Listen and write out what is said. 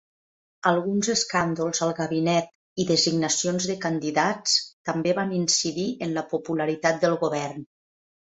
Alguns escàndols al gabinet i designacions de candidats també van incidir en la popularitat del govern.